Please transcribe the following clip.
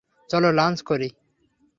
চলো, লাঞ্চ করি?